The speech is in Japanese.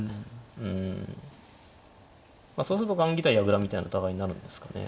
うんまあそうすると雁木対矢倉みたいにお互いになるんですかね。